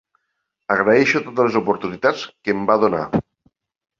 Agraeixo totes les oportunitats que em va donar.